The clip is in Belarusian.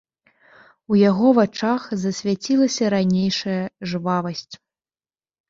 У яго вачах засвяцілася ранейшая жвавасць.